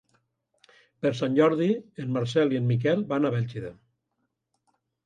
Per Sant Jordi en Marcel i en Miquel van a Bèlgida.